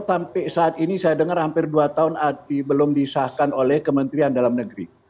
sampai saat ini saya dengar hampir dua tahun belum disahkan oleh kementerian dalam negeri